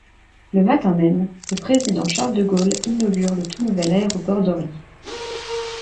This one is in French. Le matin même, le président Charles de Gaulle inaugure le tout nouvel aéroport d'Orly.